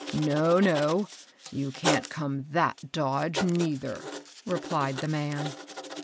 " No, no I you can't come that dodge, neither," replied the man.